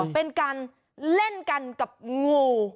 เป็นการเล่นกันกับงู